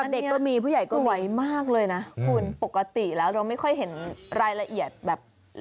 แต่อันนี้สวยมากเลยนะคุณปกติแล้วเราไม่ค่อยเห็นรายละเอียดแบบ